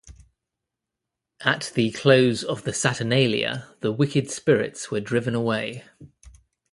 At the close of the saturnalia, the wicked spirits were driven away.